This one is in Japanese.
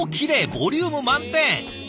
ボリューム満点。